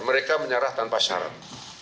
mereka menyerah tanpa syarat